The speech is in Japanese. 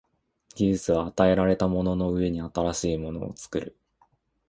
技術は与えられたものの上に新しいものを作る。